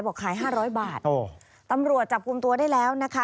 บอกขายห้าร้อยบาทตำรวจจับกลุ่มตัวได้แล้วนะคะ